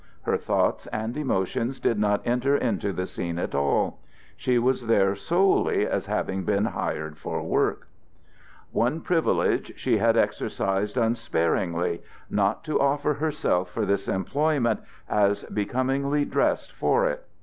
Her thoughts and emotions did not enter into the scene at all; she was there solely as having been hired for work. One privilege she had exercised unsparingly not to offer herself for this employment as becomingly dressed for it.